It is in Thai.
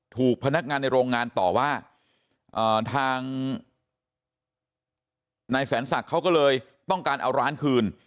ถูกพนักงานในโรงงานต่อว่าทางนายแสนศักดิ์เขาก็เลยต้องการเอาร้านคืน